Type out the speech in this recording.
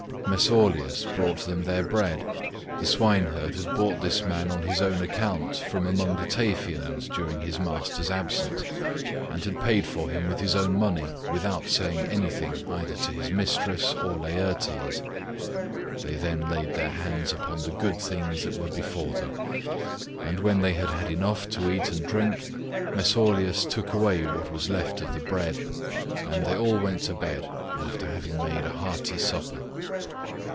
Mesaulius brought them their bread; the swineherd had brought this man on his own account from among the Taphians during his master's absence, and had paid for him with his own money without saying anything either to his mistress or Laertes. They then laid their hands upon the good things that were before them, and when they had had enough to eat and drink, Mesaulius took away what was left of the bread, and they all went to bed after having made a hearty supper.